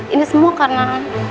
ini semua karena